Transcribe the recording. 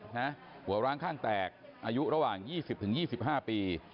หัวร้างข้างแตกอายุระหว่าง๒๐๒๕ปี